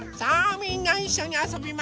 みんないっしょにあそびますよ。